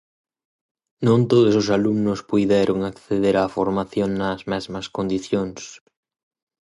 Non todos os alumnos puideron acceder á formación nas mesmas condicións.